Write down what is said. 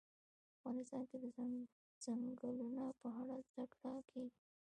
افغانستان کې د ځنګلونه په اړه زده کړه کېږي.